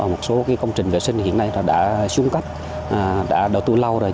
một số công trình vệ sinh hiện nay đã xuống cấp đã đầu tư lâu rồi